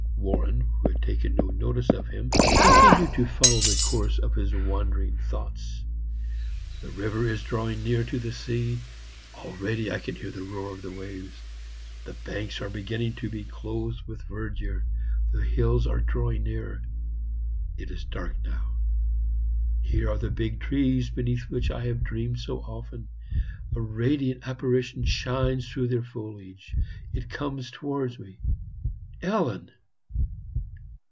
Warren, who had taken no notice of him, continued to follow the course of his wandering thoughts. "The river is drawing near to the sea. Already I can hear the roar of the waves...The banks are beginning to be clothed with verdure...The hills are drawing nearer....It is dark now. Here are the big trees beneath which I have dreamed so often. A radiant apparition shines through their foliage....It comes towards me... Ellen!"